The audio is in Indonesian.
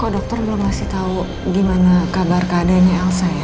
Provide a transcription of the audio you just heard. dokter belum ngasih tahu gimana kabar keadaannya elsa ya